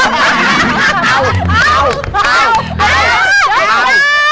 เยอะจ้า